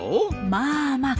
まあまあ。